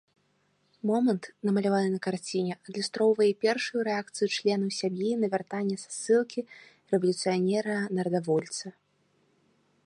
Момант, намаляваны на карціне, адлюстроўвае першую рэакцыю членаў сям'і на вяртанне са ссылкі рэвалюцыянера-нарадавольца.